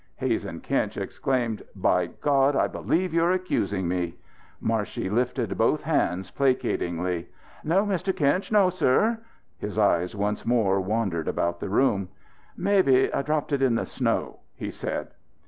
Hazen Kinch exclaimed: "By God, I believe you're accusing me!" Marshey lifted both hands placatingly. "No, Mr. Kinch. No, sir." His eyes once more wandered about the room. "Mebbe I dropped it in the snow," he said.